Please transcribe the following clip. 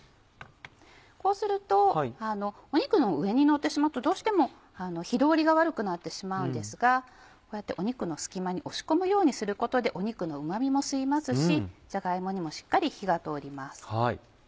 こうすると肉の上にのってしまうとどうしても火通りが悪くなってしまうんですがこうやって肉の隙間に押し込むようにすることで肉のうま味も吸いますしじゃが芋にもしっかり火が通ります。